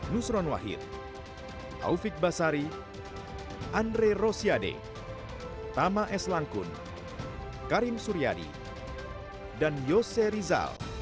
nusron wahid taufik basari andre rosiade tama s langkun karim suryadi dan yose rizal